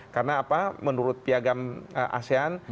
karena menurut piagam asean